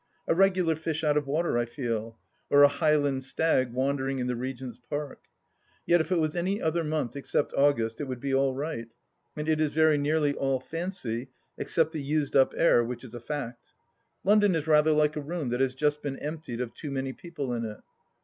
A regular fish out of water, I feel, or a Highland stag wandering in the Regent's Park. Yet if it was any other month except August it would be all right, and it is very nearly all fancy except the used up air, which is a fact. London is rather like a room that has just been emptied of too many people in it.